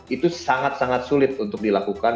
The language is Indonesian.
itu sangat sangat sulit untuk dilakukan